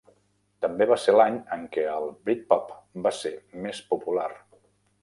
També va ser l'any en què el britpop va ser més popular.